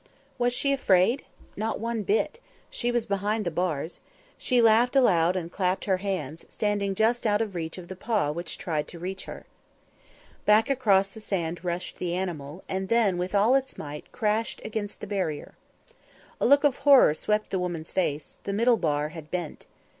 Was she afraid? Not one bit. She was behind the bars. She laughed aloud and clapped her hands, standing just out of reach of the paw which tried to reach her. Back across the sand rushed the animal, and then with all its might crashed against the barrier. A look of horror swept the woman's face the middle bar had bent.